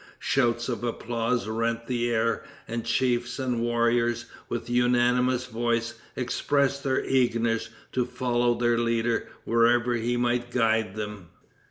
Shouts of applause rent the air, and chiefs and warriors, with unanimous voice, expressed their eagerness to follow their leader wherever he might guide them.